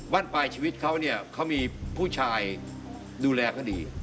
ปลายชีวิตเขาเนี่ยเขามีผู้ชายดูแลเขาดี